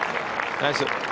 ナイス。